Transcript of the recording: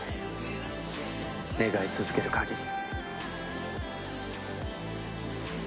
願い続ける限り。